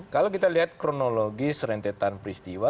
kalau kita lihat kronologi serentetan peristiwa